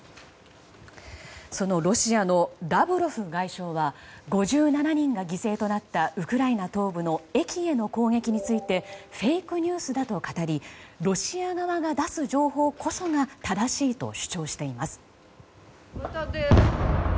そのロシアのラブロフ外相は５７人が犠牲になったウクライナ東部の駅への攻撃についてフェイクニュースだと語りロシア側が出す情報こそが正しいと主張しています。